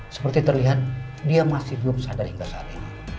seperti terlihat dia masih belum sadar hingga saat ini